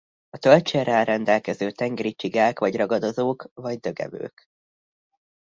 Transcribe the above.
A tölcsérrel rendelkező tengeri csigák vagy ragadozók vagy dögevők.